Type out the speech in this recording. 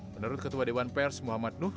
menurut ketua dewan pers muhammad nuh